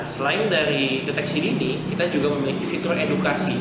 selain dari deteksi dini kita juga memiliki fitur edukasi